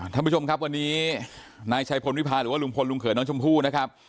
ท่านผู้ชมครับวันนี้นายชัยพลวิพาหรือว่าลุงพลลุงเขยน้องชมพู่นะครับ